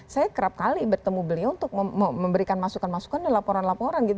saya kerap kali bertemu beliau untuk memberikan masukan masukan dan laporan laporan gitu